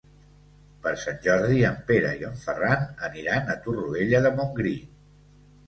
Per Sant Jordi en Pere i en Ferran aniran a Torroella de Montgrí.